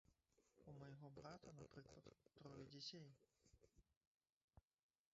У майго брата, напрыклад, трое дзяцей.